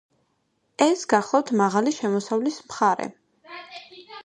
ეს გახლავთ მაღალი შემოსავლის მხარე.